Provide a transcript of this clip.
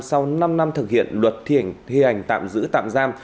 sau năm năm thực hiện luật thi hành tạm giữ tạm giam